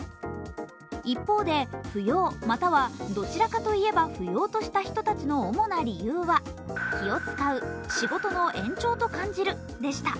一方で不要、またはどちらかと言えば不要とした人たちの主な理由は気を遣う、仕事の延長と感じるでした。